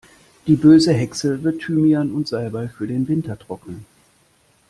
Die böse Hexe wird Thymian und Salbei für den Winter trocknen.